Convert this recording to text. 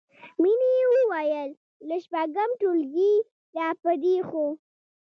مینې وویل له شپږم ټولګي راپدېخوا